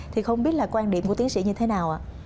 thì không biết là quan điểm của tiến sĩ như thế nào ạ